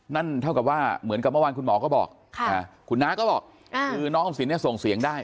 นั่นเท่ากับว่าเหมือนกับเมื่อวานคุณหมอก็บอกคุณน้าก็บอกคือน้องออมสินเนี่ยส่งเสียงได้